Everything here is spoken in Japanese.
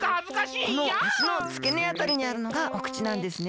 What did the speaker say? このあしのつけねあたりにあるのがお口なんですね。